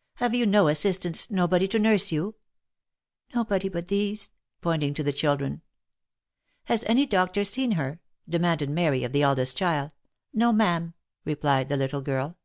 " Have you no assistance, nobody to nurse you V* " Nobody but these," pointing to the children. " Has any doctor seen her ?" demanded Mary of the eldest child. " No ma'am," replied the little girl.